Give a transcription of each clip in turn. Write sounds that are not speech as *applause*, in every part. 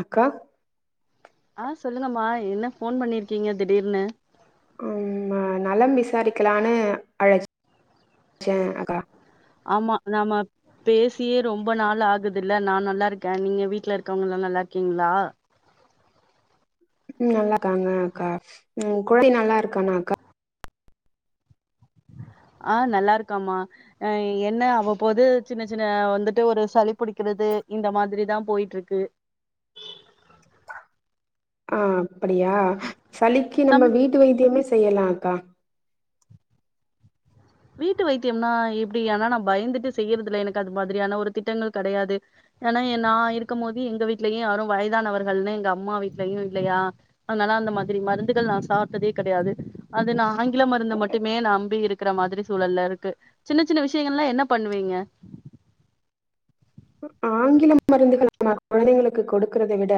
அக்கா ஆஹ சொல்லுங்கம்மா என்ன போன் பண்ணிருக்கீங்க திடீர்னு ஆ நலம் விசாரிக்கலான்னு அழ ச்சன் அக்கா ஆமா நாம பேசியே ரொம்ப நாள் ஆகுதுல்ல நான் நல்லா இருக்கே நீங்க வீட்டுல இருக்கவங்க எல்லாம் நல்லா இருக்கீங்களா உம் நல்லா இருக்காங்க அக்கா உம் குழந்தை நல்லா இருக்கானா அக்கா ஆஹ நல்லா இருக்காமா அஹ என்ன அவ்வப்போது சின்ன சின்ன வந்துட்டு ஒரு சளி பிடிக்கிறது இந்த மாதிரிதான் போயிட்டு இருக்கு ஆஹ அப்படியா சளிக்கு சம நம்ம வீட்டு வைத்தியமே செய்யலாம் அக்கா வீட்டு வைத்தியம்னா எப்படி ஆனா நான் பயந்துட்டு செய்யறதுல எனக்கு அது மாதிரியான ஒரு திட்டங்கள் கிடையாது ஏன்னா நான் இருக்கும் போது எங்க வீட்லயும் யாரும் வயதானவர்கள்ன்னனு எங்க அம்மா வீட்லயு இல்லையா அதனால அந்த மாதிரி மருந்துகள் நான் சாப்பிட்டதே கிடையாது அது நான் ஆங்கில மருந்து மட்டுமே நான் நம்பி இருக்கிற மாதிரி சூழல்ல இருக்கு சின்ன சின்ன விஷயங்கள்லா என்ன பண்ணுவிங்க ஆங்கில மருந்துகள்ளை குழந்தைங்களுக்கு கொடுக்கறதை விட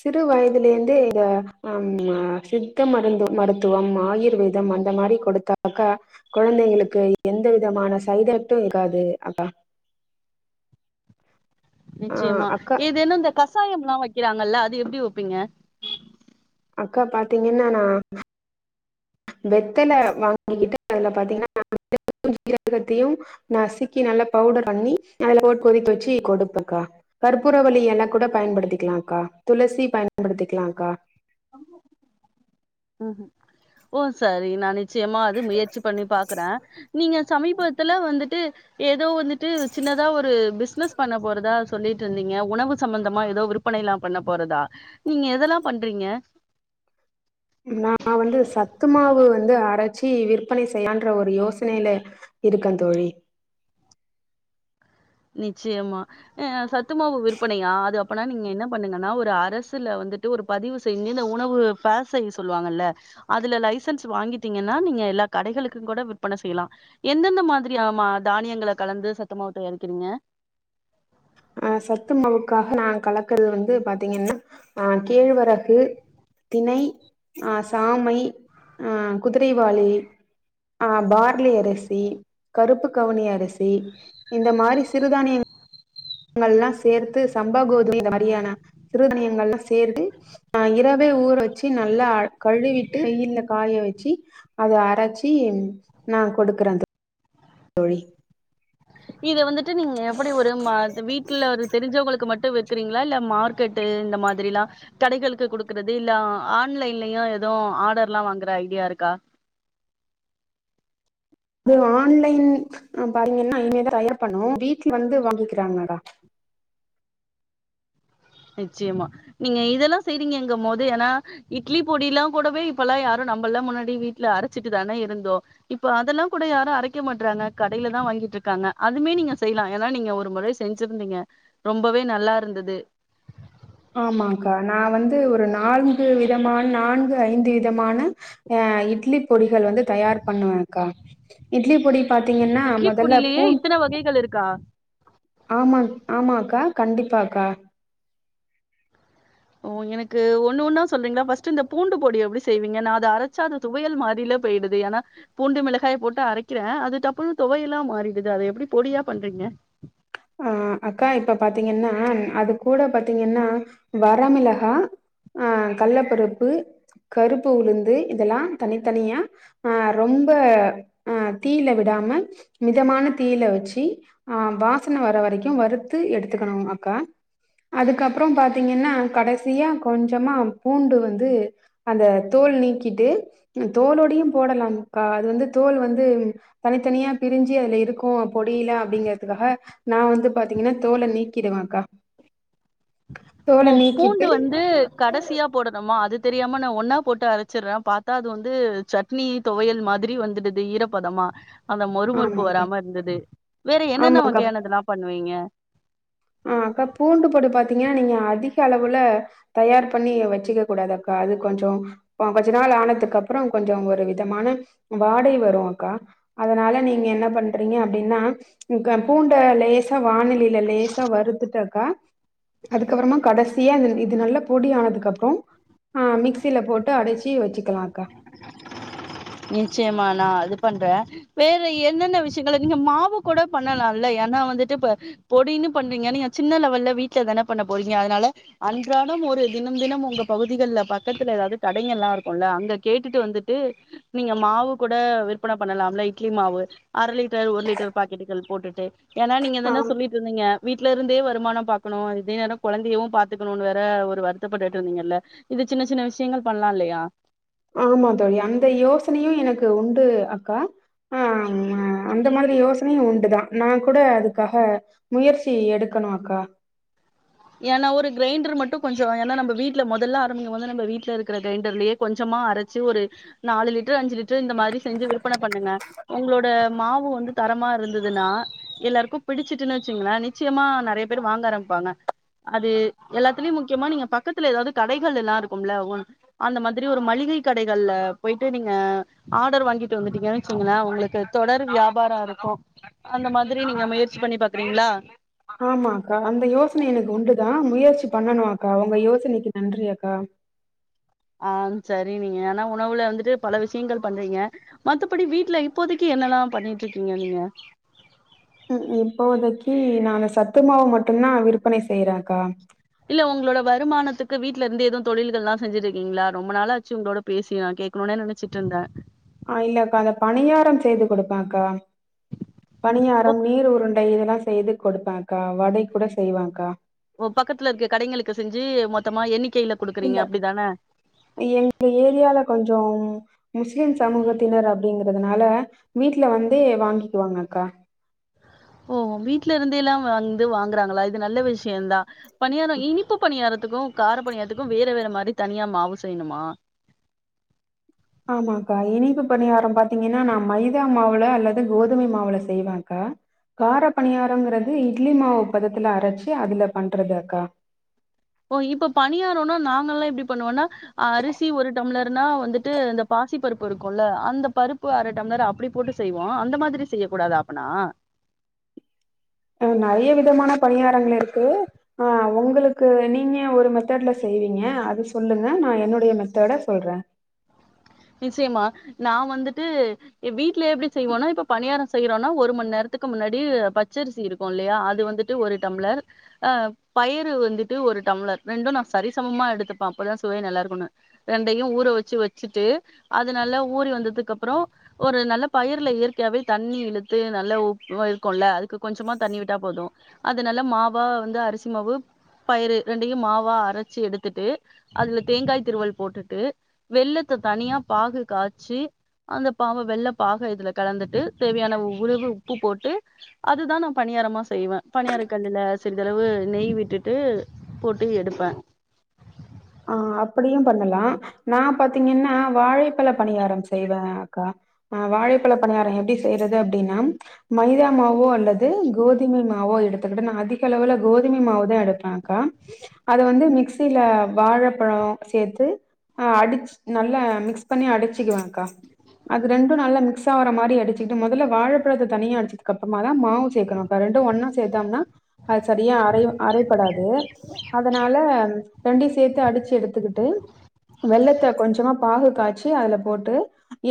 சிறு வயதுல இருந்தே இத அஹம் சித்த மருந்து மருத்துவம் ஆயுர்வேதம் அந்த மாதிரி கொடுத்தாக்கா குழந்தைங்களுக்கு எந்த விதமான சைட் எதுக்கு இருக்காது அக்கா ஆ நிச்சயமா அக்கா இது என்னும் இந்த கசாயம் ய வைக்கிறாங்கல்ல அது எப்படி வைப்பிங்க அக்கா பாத்திங்கன்ன நா வெத்தலை வாங்கிக்கிட்டு அதுல பாதிங்கன்னா ஜீரகத்தையும் நசுக்கி நல்லா பவுடர் பண்ணி அதுல ஓட்டு கொதித்து வச்சு கொடுப்பக்கா கற்பூர வலி எலை கூட பயன்படுத்திக்கலாம்க்கா துளசி பயன்படுத்திக்கலாம்க்கா உஹம் ஓ சரி நானே நிச்சயமா அது முயற்சி பண்ணி பாக்குறே நீங்க சமிபத்துல வந்துட்டு ஏ ஏதோ வந்துட்டு சின்னதா ஒரு பிஸ்னஸ் பண்ண போறதா சொ சொல்லிட்டு இருந்திங்க உணவு சம்பந்தமா ஏதோ விற்பனை எல்லா பண்ண போறதா நீங்க எதெல்லாம் பண்றீங்க நா வந்து சத்து மாவு வ வந்து அரைச்சி விற்பனை செய்யான்ற ஒரு யோசனையில இருக்கன் தொழி நிச்சயமா சத்துமவு விற்பனையா அது அப்பின்னா நீங்க என்ன பண்ணுங்கன்னா ஒரு அரசுல வந்துட்டு ஒரு பதிவு செஞ்சு இந்த உணவு பேச சொல்லுவாங்கல்ல அதுல லைசன்ஸ் வாங்கிட்டீங்கன்னா நீங்க எல்லா கடைகளுக்கும் கூட விற்பனை செய்யலா எந்தெந்த மாதிரி மா தானியங்களை கலந்து சத்துமாவுத் தை க்கிறீங்க அஹ சத்துமவுக்காக நான் கலக்கறது வந்து பாத்தீங்கன்னா ஹ கேழ்வரகு திணை ஆ சாமை அஹ குதிரைவாளி அ பார்லி அரிசி கருப்பு கவனி அரிசி இந்த மாதிரி சிறுதானியங் ங்கள் எல்லாம் சேர்த்து சம்ப கோதும மாதிரியான சிறுதானியங்கள் எல்லாம் சேர்த்து ஆ இரவே ஊற வச்சு நல்லா கழுவிட்டு வெய்யில காய வச்சு அதை அரைச்சி நான் கொடுக்கறேது தோழி இது வந்துட்டு நீங்க எப்படி ஒரு வீட்டுல ஒரு தெரிஞ்சவங்களுக்கு மட்டு வெ க்குறீங்களா இல்ல மார்க்கெட்டு இந்த மாதிரில்லாம் கடைகளுக்கு குடுக்கறது இல்ல ஆன்லைன்லயும் ஏதோ ஆர்டர்ல்லாம் வாங்குற ஐடியா இருக்கா ஆன்லைன் பாத்தீங்கன்னா இனிமேதான் தயார் பண்ணும் வீட்டுல வந்து வாங்கிக்கிறாங்க டா நிச்சயமா நீங்க இதெல்லாம் செய்றீங்க எங்கும் போது ஏன்னா இட்லி பொட எல்லாம் கூடவே இப்பல்லாம் யாரும் நம்ம எல்லாம் முன்னாடி வீட்டுல அரைச்சிட்டு தானே இருந்தோ இப்ப அதெல்லாம் கூட யாரும் அரைக்க மாட்டறாங்க கடையில தான் வாங்கிட்டுருக்காங்க அதுமே நீங்க செய்யலாம் ஏன்னா நீங்க ஒரு முறை செஞ்சிருந்தீங்க ரொம்பவே நல்லாருந்தது ஆமாக்கா நான் வந்து ஒரு நான்கு விதமான நான்கு ஐந்து விதமான அஹ் இட்லி பொடிகள் வந்து தயார் பண்ணுவே அக்கா இட்லி பொடி பாத்தீங்கன்னா இட்லி மொதல்ல புடிலேயே இத்தனை வகைகள் இருக்கா ஆமாங் ஆமாக்கா கண்டிப்பா அக்கா ஓ எனக்கு ஒண்ணு ஒண்ணா சொல்றீங்களா பஸ்ட் இந்த பூண்டு பொடி எப்படி செய்வீங்க நான் அதை அரைச்சா அது துவையல் மாறில போய்டடுது ஏன்னா பூண்டு மிளகாய போட்டு அரைக்கிறேன் அதுக்கப்புறொ துவையல்லா மாறிடுது அத எப்படி பொடியா பண்றீங்க ஆஹ் அக்கா இப்ப பாத்தீங்கன்னா அது கூட பாத்தீங்கன்னா வரமிளகா ஆஹ் கள்ளப்பருப்பு கருப்பு உளுந்து இதெல்லா தனித்தனியா ஆஹ் ரொம்ப அஹ் தீல விடாம மிதமான தீல வச்சு ஆஹ் வா சன வர வரைக்கும் வறுத்து எடுத்துக்கணும் அக்கா அதுக்கப்புறம் பாார்த்தீங்கன்னா கடைசியா கொஞ்சமா பூண்டு வந்து அந்த தோல் நீக்கிட்டு தோலோடையும் போடலாம் அக்கா அது வந்து தோல் வந்து தனித்தனியா பிரிஞ்சு அதுல இருக்கும் பொடியல அப்படிங்கறதுக்காக நான் வந்து பாத்தீங்கன்னா தோலை நீக்கிடுவேக்கா பூண்டு வந்து கடைசியா போடணுமா அது தெரியாம நான் ஒன்னா போட்டு அரைச்சடுறேன் பார்த்தா அது வந்து சட்னி துவையல் மாதிரி வந்துடுது ஈரப்பதமா அந்த மொறுமுறுப்பு ஆமாக்கா. வராம இருந்தது வேற என்னென்ன வகையானதெல்லா பண்ணுவீங்க ஆஹ் அக்கா பூண்டு பொடி பாத்தீங்கன்னா நீங்க அதிக அளவுல தயார் பண்ணி வச்சுக்க கூடாது அக்கா அது கொஞ்சம் கொஞ்ச நாள் ஆனதுக்கு அப்புறொ கொஞ்சம் ஒரு விதமான வாடைவரு அக்கா அதனால நீங்க என்ன பண்றீங்க அப்படின்னா பூண்ட லேஸ் சா வாணலியில லேசா கொடுத்துட்டாக்கா அதுக்கப்புறமா கடைசியா அ இது நல்ல பொடிய ஆனதுக்கு அப்புறம் ஆஹ் மிக்சியில போட்டு அடைச்சு வச்சுக்கலா அக்கா நிச்சயமா நான் அது பண்றேன் வேற என்னென்ன விஷயங்க நீங்க மாவு கூட பண்ணலாம்ல ஏன்னா வந்துட்டு இப்ப பொடின்னு பண்றீங்கன்னா நீங்க சின்ன லெவல்ல வீட்டுல தான பண்ண போறீங்க அதனால அன்றாடம் ஒரு தினம் தினம் உங்க பகுதிகள்ல பக்கத்துல ஏதாவது கடை எல்லாம் இருக்கும்ல்ல அங்க கேட்டு விட்டுட்டு வந்துட்டு நீங்க மாவு கூட விற்பனை பண்ணலாம்ல இட்லி மாவு அரை லிட்டர் ஒரு லிட்டர் பாக்கெட்டுகள் போட்டுட்டு ஏன்னா நீங்க ஆ தானே சொல்லிட்டுருந்தீங்க வீட்டுல இருந்தே வருமானம் பாார்கணும் இதே நேரம் குழந்தையவு பாாரத்துக்கணும்னு வேற ஒரு வருத்தப்பட்டுட்டு இருந்தீங்கல்ல இது சின்ன சின்ன விஷயங்கள் பண்ணலாம் இல்லையா ஆமா தோழி அந்த யோசனையும் எனக்கு உண்டு அக்கா ஆஹ் அந்த மாதிரி யோசனையும் உண்டுதான் நான் கூட அதுக்காக முயற்சி எடுக்கணும் அக்கா ஏன்னா ஒரு கிரைண்டர் மட்டும் கொஞ்சம் ஏன்னா நம்ம வீட்டுல முதல்ல ஆரம்பிங்க வந்து நம்ம வீட்டுல இருக்கிற கிரைண்டர்லயே கொஞ்சமா அரைச்சு ஒரு நாலு லிட்டர் அஞ்சு லிட்டர் இந்த மாதிரி செஞ்சு விற்பனை பண்ணுங்க உங்களோட மாவு வந்து தரமா இருந்ததுன்னா எல்லாருக்கும் பிடிச்சுட்டுன்னு வச்சுங்களேன் நிச்சயமா நிறைய பேர் வாங்க ஆரம்பிப்பாங்க அது எல்லாத்துலயும் முக்கியமா நீங்க பக்கத்துல ஏதாவது கடைகள் எல்லாம் இருக்கும்ல அந்த மாதிரி ஒரு மளிகை கடைகள்ல போயிட்டு நீங்க ஆடர் வாங்கிட்டு வந்துட்டீங்கு வச்சீங்களன் உங்களுக்கு தொடர் வியாபாரம் இருக்கும் அந்த மாதிரி நீங்க முயற்சி பண்ணி பாக்குறீங்களா ஆமாக்கா அந்த யோச எனக்கு உண்டுதான் முயற்சி பண்ணனும் அக்கா உங்க யோசனைக்கு நன்றி அக்கா ஆஹ் சரி நீங்க ஆனா உணவுல வந்துட்டு பல விஷயங்கள் பண்றீங்க மத்தபடி வீட்டுல இப்போதைக்கு என்னெல்லாம் பண்ணிட்டுருக்கீங்க நீங்க இப்போதைக்கி நான் அந்த சத்துமாவு மட்டும்தான் விற்பனை செய்யறேன்அக்கா இல்ல உங்களோட வருமானத்துக்கு வீட்ல இருந்து ஏதுவும் தொழில்கள் எல்லாம் செஞ்சுட்டு இருக்கீங்களா ரொம்ப நாளாச்சு உங்களோட பேசி நா கேட்கணுனே நெனைச்சிட்டுருந்தேன் ஆஹ் இல்லக்கா அந்த பணியாரம் செய்து கொடுப்பேன்அக்கா பணியாரம் நீர் உருண் டை இதெல்லாம் செய்து கொடுப்பேன் அக்கா வடை கூட செய்வன் அக்கா பக்கத்துல இருக்க கடைகளுக்கு செஞ்சு மொத்தமா எண்ணிக் இல்ல எங்க ஏரியால கொஞ்சம் முஸ்லிம் சமூகத்தினர் அப்படிங்கறதுனால வீட்ல வந்தே வாங்கிக்குவாங்க அக்கா ஓ வீட்ல இருந்தே எல்லாம் வந்து வாங்குறாங்களா இது நல்ல விஷயம்தா பணியாரம இனிப்பு பணியாரத்துக்கும் கார பணியாரத்துக்கும் வேற வேற மாரி தனியா மாவு செய்யணுமா ஆமாக்கா இனிப்பு பணியாரம் பாத்தீங்கன்னா நான் மைதா மாவுல அல்லது கோதுமை மாவுல செய்வேன் அக்கா கார பணியாரங்கிறது இட்லி மாவு பதத்துல அரைச்சு அதுல பண்றது அக்கா ஓ இப்ப பணியாரம்னா நாங்க எல்லாம் எப்படி பண்ணுவோம்னா அரிசி ஒரு டம்ளர்னா வந்துட்டு இந்த பாசி பருப்பு இருக்கும்ல அந்த பருப்பு அரை டம்ளர் அப்படி போட்டு செய்வோம் அந்த மாதிரி செய்ய கூடாதா அப்பனா ஹ நிறைய விதமான பணியாரங்கள் இருக்கு ஆஹ் உங்களுக்கு நீங்க ஒரு மெத்தட்ல செய்வீங்க அது சொல்லுங்க நான் என்னுடைய மெத்தட சொல்றேன் நிச்சயமா நான் வந்துட்டு வீட்ல எப்டி செய்வோனா இப்ப பணியாரம் செய்யறோம்னா ஒரு மணி நேரத்துக்கு முன்னாடி பச்சரிசி இருக்கும் இல்லையா அது வந்துட்டு ஒரு டம்ளர் அஹ் பயிறு வந்துட்டு ஒரு டம்ளர் ரெண்டும் நா சரிசமமா எடுத்துப்பேன் அப்பதான் சுவையை நல்லா இருக்கணும் ரெண்டையு ஊற வச்சு வச்சுட்டு அது நல்ல ஊறி வந்ததுக்கு அப்புறம் ஒரு நல்ல பயிர்ல இயற்கையாவவே தண்ணி இழுத்து நல்லாப்பு இருக்கும்ல அதுக்கு கொஞ்சமா தண்ணி விட்டா போதும் அதுனல்லமாவா வந்து அரிசி மாவு பயிர் ரெண்டையும் மாவா அரைச்சு எடுத்துட்டு அதுல தேங்காய் திருவல் போட்டுட்டு வெள்ளத்தை தனியா பாகு காச்சு அந்த பாவ வெள்ள பாக இதுல கலந்துட்டு தேவையான உருவு உப்பு போட்டு அதுதான் நான் பணியாரமா செய்வன் பனியார கல்லுல சிறிதளவு நெய் விட்டுட்டு போட்டு எடுப்பன் ஆஹ் அப்டியும் பண்ணலாம் நான் பாத்தீங்கன்னா வாழைப்பழ பணியாரம் செய்வன் அக்கா ஆஹ் வாழைப்பழ பணியாரம் எப்டி செய்றது அப்டின்னா மைதா மாவோ அல்லது கோதுமை மாவோ எடுத்துக்கிட்டு நான் அதிக அளவுல கோதுமை மாவுதான் எடுப்பன் அக்கா அதை வந்து மிக்சில வாழைப்பழம் சேத்து அஹ் அடிச்ச நல்லா மிக்ஸ் பண்ணி அடிச்சுக்குவேக்கா அது ரெண்டும் நல்லா மிக்ஸ் ஆற மாரி அடிச்சுக்கிட்டு முதல்ல வாழைப்பழத்தை தனியா அடிச்சதுக்கு அப்புறமா தான் மாவு சேக்கணும் அக்கா ரெண்டும் ஒண்ணா சேர்த்தோம்னா அஹ் சரியா அறை அறைபடாது அதனால ரெண்டு அடிச்சு எடுத்துக்கிட்டு வெள்ளத்தை கொஞ்சமா பாகு காச்சி அதுல போட்டு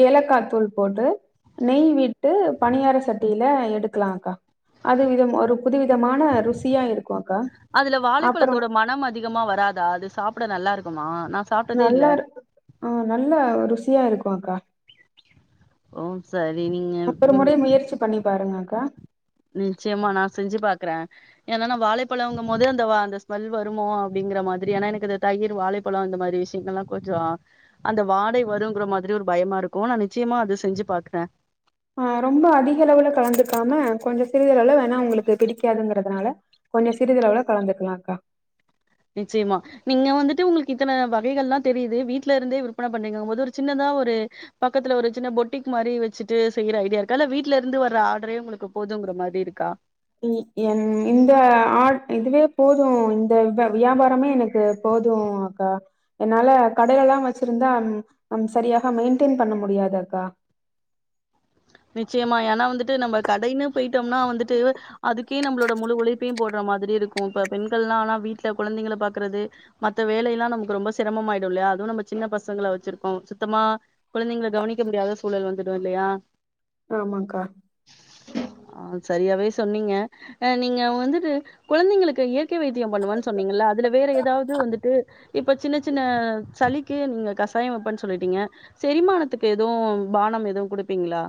ஏலக்காய் தூள் போட்டு நெய் விட்டு பணியார சட்டியில எடுக்கலாம்க்கா அது விதம் ஒரு புதுவிதமான ருசியா இரு அதுல வாழைப்பழத்தோட மனம் அதிகமா வராதா அது சாப்ப ப்ட நல்லா இருக்குமா நா சாப்ட்டதே இல்ல நல்லா இரு ஆஹ் நல்ல ருசி சியா இருக்கும் அக்கா ஓம் சரி நீங்க உம் க்கா நிச்சயமா நான் செஞ்சு பாக்குறேன் ஏன்னா வாழைப்பழம்ங்க போது அந்த வா அந்த ஸ்மெல் வருமோ அப்படிங்கிற மாதிரி ஏன்னா எனக்கு அது தயிர் வாழைப்பழம் இந்த மாரி விஷயங்கள் எல்லாம் கொஞ்சம் அந்த வாடை வருங்கிற மாரி ஒரு பயமா இருக்கும் நான் நிச்சயமா அது செஞ்சு பாக்குறேன் ஆஹ் ரொம்ப அதிக அளவுல கலந்துக்காம கொஞ்சம் சிறிதளவுல வேணா உங்களுக்கு பிடிக்காதுங்கறிறதுனால கொஞ்சம் சிறிதளவுல கலந்துக்கலாம்கா நிச்சயமா நீங்க வந்துட்டு உங்களுக்கு இத்தனை வகைகள் எல்லாம் தெரியுது வீட்டுல இருந்தே விற்பனை பண்ணீங்கங்கும் போது ஒரு சின்னதா ஒரு பக்கத்துல ஒரு சின்ன பொட்டிக் மாதிரி வச்சுட்டு செய்ற ஐடியா இருக்கா இல்ல வீடல இருந்து வர்ற ஆர்டரே உங்களுக்கு போதுங்கிற மாரி இருக்கா என் இந்த ஆட இதுவே போதும் இந்த வியாபாரமே எனக்கு போதும் அக்கா என்னால கடைலல்லாம் வச்சிருந்தாம் சரியாக மெயின்டென் பண்ண முடியாது அக்கா நிச்சயமா ஏன்னா வந்துட்டு நம்ம கடைன்னு போயிட்டோம்னா வந்துட்டு அதுக்கே நம்மளோட முழு உழைப்பையும் போடுற மாரி இருக்கும் இப்ப பெண்கள் எல்லாம் ஆனா வீட்டுல குழந்தைங்களை பாக்குறது மத்த வேலைையெல்லாம் நமக்கு ரொம்ப சிரமமாயிடும் இல்லையா அதுவும் நம்ம சின்ன பசங்களை வச்சிருக்கோம் சுத்தமா குழந்தைங்க கவனிக்க முடியாத சூழல் வந்துடும் இல்லையா ஆமாங்க்கா ஆஹ் சரியாவே சொன்னீங்க அஹ் நீங்க வந்துட்டு குழந்தைங்களுக்கு இயற்கை வைத்தியம் பண்ணுவன்னு சொன்னீங்க அதுல வேற ஏதாவது வந்துட்டு இப்ப சின்ன சின்ன சளிக்கு நீங்க கஷாயம் வப்பேன்னு சொல்லிட்டீங்க செரிமானத்துக்கு எதுவும் பானம் எதுவும் கொடுப்பீங்களா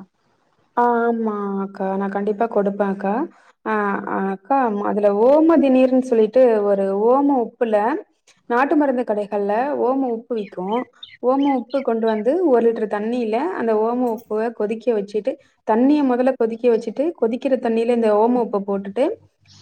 ஆஹ் ஆமா அக்கா நான் கண்டிப்பா கொடுப்பேன் அக்கா அஹ் அக்கா அதுல ஓம திநீர்ன்னு சொல்லிட்டு ஒரு ஓம உப்புல நாட்டு மருந்து கடைகள்ல ஓம உப்பு விக்கும் ஓம உப்பு கொண்டு வந்து ஒரு லிட்டர் தண்ணியில அந்த ஓம உப்பு கொதிக்க வச்சுட்டு தண்ணிய மொதல்ல கொதிக்க வச்சுட்டு கொதிக்கிற தண்ணியில இந்த ஓம உப்ப போட்டுட்டு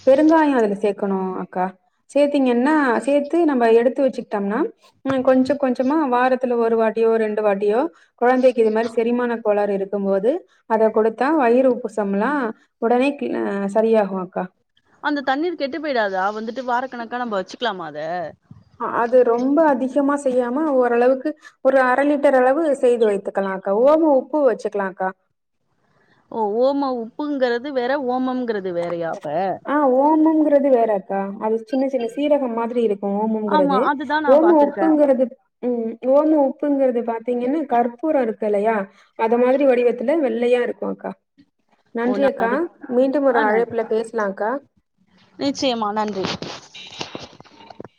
பெருங்காயம் அதுல சேக்கணும் அக்கா சேத்தீங்கன்னா சேத்து நம்ம எடுத்து வச்சுிட்டோம்னா உ கொஞ்சம் கொஞ்சமா வாரத்துல ஒரு வாட்டியோ ரெண்டு வாட்டியோ குழந்தைக்கு இது மாரி செரிமான கோளாறு இருக்கு இருக்கும்போது அத கொடுத்தா வயிறு உப்சம் யல்லாம் உடனே கஹ் சரியாகும் அக்கா அந்த தண்ணீர் கெட்டு போயிடாதா வந்துட்டு வாரக்கணக்கா நம்ம வச்சுக்கலாம அத அது ரொம்ப அதிகமா செய்யா ம்ம ஓரளவுக்கு ஒரு அரை லிட்டர் அளவு செய்து வைத்துக்கலாம்க்கா ஒம உப்பு வச்சுக்கலாம்க்கா ஓ ஓமம் உப்புங்கறது வேற ஓமம் ங்கிறது வேறயாப்ப ங்றது வேற அது சின்ன சின்ன சீரகம் மாதிரி இருக்கும் ஆமா ஓமுங்கிறது அதுதான் நான் ஓம பாத்திருக்கேன் உப்புங்கிறது உ ஓம உப்புங்கிறது பாத்தீங்கன்னா கற்பூரம் இருக்கு இருக்கு இல்லையா அத மாதிரி வடிவத்துல வெள்ளையா இருக்கும் அக்கா நன்றி அக்கா மீண்டும் ஒரு ஆஹ் நன்றி அழைப்புல பேசலாம் அக்கா நிச்சயமா நன்றி *unintelligible*